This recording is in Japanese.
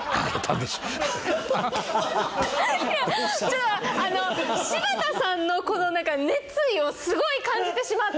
あの柴田さんのこの熱意をすごい感じてしまって。